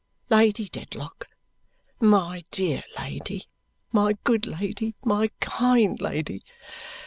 "Lady Dedlock, my dear Lady, my good Lady, my kind Lady!